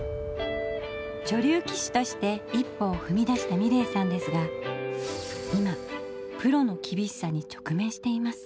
女流棋士として一歩をふみだした美礼さんですが今プロの厳しさに直面しています。